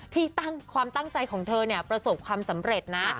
ความตั้งใจของเธอเนี่ยประสบความสำเร็จนะ